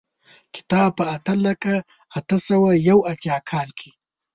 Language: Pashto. کتاب په اته لکه اته سوه یو اتیا کال کې.